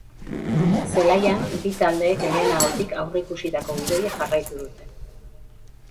Zelaian, bi taldeek lehenagotik aurreikusitako gidoia jarraitu dute.